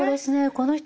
この人